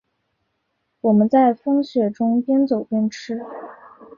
我们在风雪中边走边吃